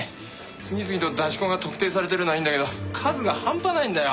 次々と出し子が特定されてるのはいいんだけど数が半端ないんだよ。